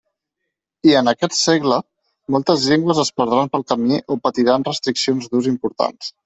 I en aquest segle moltes llengües es perdran pel camí o patiran restriccions d'ús importants.